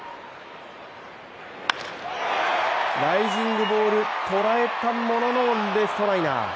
ライジングボール、捉えたもののレフトライナー。